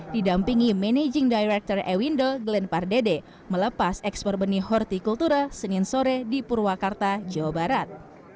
didampingi managing director ewindel glenn pardede melepas ekspor benih hortikultura senin sore di purwakarta jawa barat